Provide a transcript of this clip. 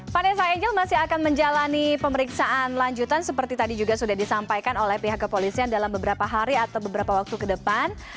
vanessa angel masih akan menjalani pemeriksaan lanjutan seperti tadi juga sudah disampaikan oleh pihak kepolisian dalam beberapa hari atau beberapa waktu ke depan